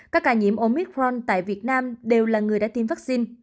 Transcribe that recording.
các ca nhiễm omitron tại việt nam đều là người đã tiêm vaccine